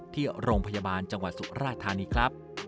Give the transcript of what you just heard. ที่โรงพยาบาลจังหวัดสุราธานีครับ